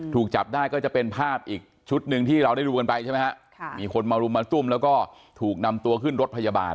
ถูกจับได้ก็จะเป็นภาพอีกชุดหนึ่งที่เราได้ดูกันไปใช่ไหมฮะค่ะมีคนมารุมมาตุ้มแล้วก็ถูกนำตัวขึ้นรถพยาบาล